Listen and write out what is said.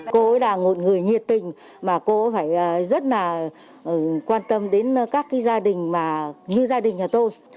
cô ấy là một người nhiệt tình mà cô phải rất là quan tâm đến các gia đình như gia đình nhà tôi